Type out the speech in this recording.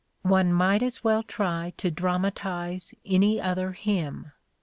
One might as well try to dramatize any other hymn.